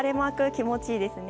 気持ちいいですね。